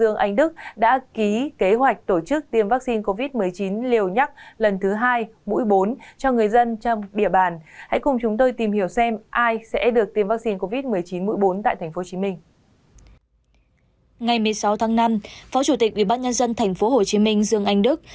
ngày một mươi sáu tháng năm phó chủ tịch ủy ban nhân dân tp hcm dương anh đức